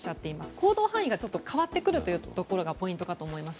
行動範囲が変わってくるというところがポイントかと思います。